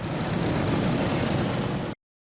jangan lupa like share dan subscribe ya